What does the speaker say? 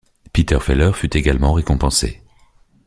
Peter Feller fut également récompensé.